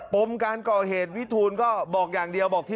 ปมการก่อเหตุวิทูลก็บอกอย่างเดียวบอกที่